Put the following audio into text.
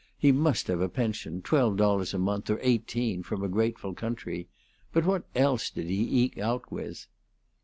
He must have a pension, twelve dollars a month, or eighteen, from a grateful country. But what else did he eke out with?